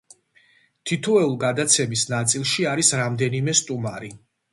თითოეულ გადაცემის ნაწილში არის რამდენიმე სტუმარი.